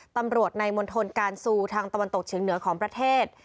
ตำรวจในมณฑลการซูทางตะวันตกเฉียงเหนือของประเทศ